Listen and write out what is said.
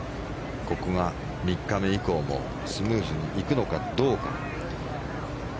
ここが３日目以降もスムーズにいくのかどうか。